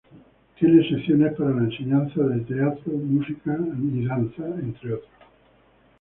Tiene secciones para la enseñanza de teatro, música, danza entre otros.